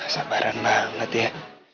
sabaran banget ya